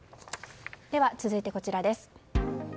では続いてこちらです。